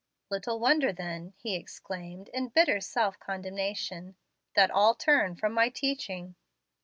"Little wonder, then," he exclaimed, in bitter self condemnation, "that all turn from my teaching."